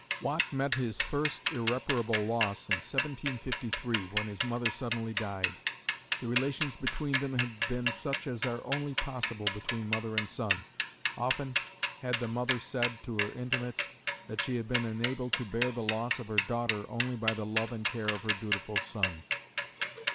Watt met his first irreparable loss in 1753, when his mother suddenly died. The relations between them had been such as are only possible between mother and son. Often had the mother said to her intimates that she had been enabled to bear the loss of her daughter only by the love and care of her dutiful son.